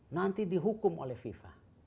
nanti dihukum oleh fifa